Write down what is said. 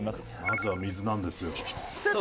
まずは水なんですよスッ！